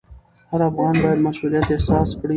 هر افغان باید مسوولیت احساس کړي.